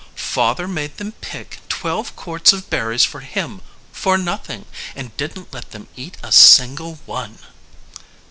"Father made them pick twelve quarts of berries for him for nothing, and didn't let them eat a single one."